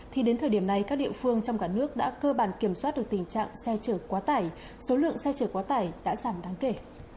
thì đến thời điểm này các địa phương trong cả nước đã cơ bản kiểm soát được tình trạng xe chở quá tải số lượng xe chở quá tải đã giảm đáng kể